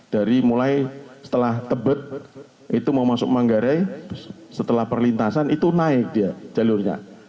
dari mulai setelah tebet itu mau masuk manggarai setelah perlintasan itu naik dia jalurnya